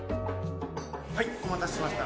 お待たせしました。